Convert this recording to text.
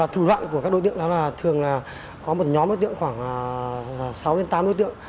thủ đoạn của các đối tượng là thường có một nhóm đối tượng khoảng sáu tám đối tượng